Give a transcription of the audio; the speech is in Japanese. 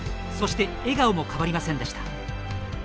そして笑顔も変わりませんでした。